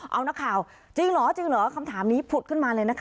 เอานักข่าวจริงเหรอจริงเหรอคำถามนี้ผุดขึ้นมาเลยนะคะ